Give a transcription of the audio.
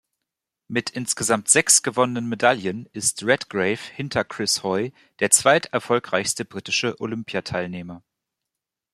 Mit insgesamt sechs gewonnenen Medaillen ist Redgrave hinter Chris Hoy der zweiterfolgreichste britische Olympiateilnehmer.